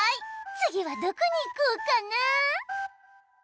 次はどこに行こうかな